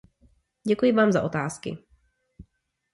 Děkuji vám za otázky.